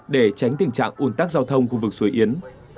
để tránh tình trạng ồn tắc giao thông khu vực xuôi yến